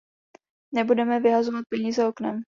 Nebudeme vyhazovat peníze oknem.